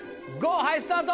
はいスタート！